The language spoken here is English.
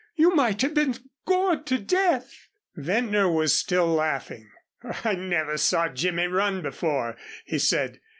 "You might have been gored to death." Ventnor was still laughing. "I never saw Jimmy run before," he said.